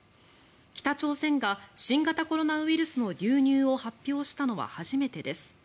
北朝鮮が新型コロナウイルスの流入を発表したのは初めてです。